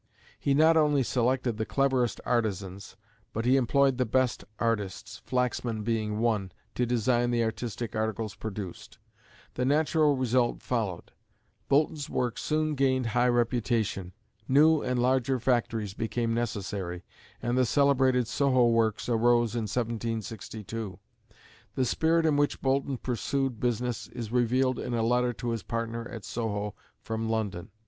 He not only selected the cleverest artisans, but he employed the best artists, Flaxman being one, to design the artistic articles produced. The natural result followed. Boulton's work soon gained high reputation. New and larger factories became necessary, and the celebrated Soho works arose in 1762. The spirit in which Boulton pursued business is revealed in a letter to his partner at Soho from London.